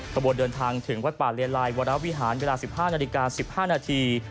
ขบวนเดินทางถึงวัดป่าเลไลวรวิหารเวลา๑๕นาฬิกา๑๕นาที